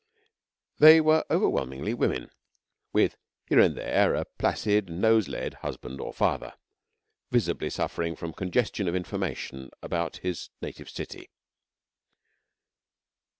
They were overwhelmingly women, with here and there a placid nose led husband or father, visibly suffering from congestion of information about his native city.